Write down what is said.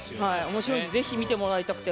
面白いんで是非見てもらいたくて。